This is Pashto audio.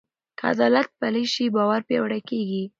که عدالت پلی شي، باور پیاوړی کېږي.